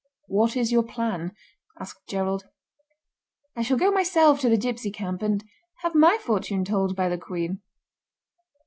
"What is your plan?" asked Gerald. "I shall go myself to the gipsy camp, and have my fortune told by the Queen."